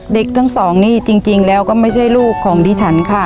เด็กทั้งสองนี่จริงแล้วก็ไม่ใช่ลูกของดิฉันค่ะ